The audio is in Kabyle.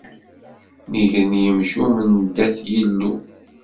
Neggren yimcumen dat Yillu.